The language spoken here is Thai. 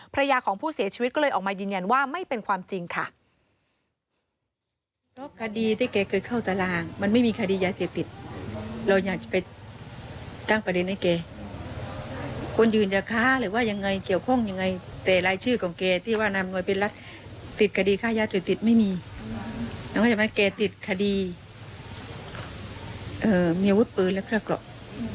ภรรยาของผู้เสียชีวิตก็เลยออกมายืนยันว่าไม่เป็นความจริงค่ะ